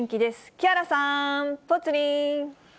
木原さん、ぽつリン。